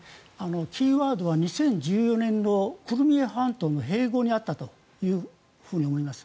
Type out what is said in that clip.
キーワードは２０１４年度のクリミア半島の併合にあったと思います。